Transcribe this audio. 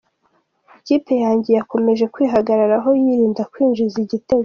Ikipe yanjye yakomeje kwihagararaho yirinda kwinjizwa igitego.